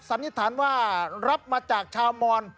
สันนิษฐานว่ารับมาจากชาวมอน